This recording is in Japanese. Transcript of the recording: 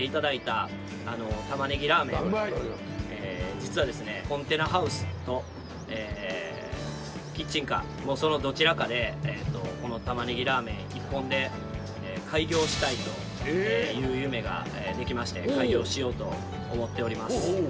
実はですねコンテナハウスとキッチンカーのそのどちらかでこのたまねぎラーメン一本で開業したいという夢ができまして開業しようと思っております。